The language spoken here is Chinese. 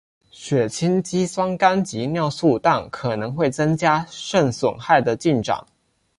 血清肌酸酐及尿素氮可能会增加肾损害的进展。